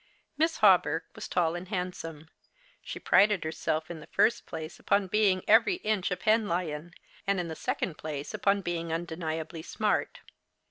]\Iiss Hawberk was tall and handsome. Slie prided herself in the first place upon being every inch a Penlyon, and in the second jjlace upon being undeniably smart.